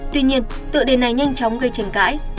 tuy nhiên tựa đề này nhanh chóng gây tranh cãi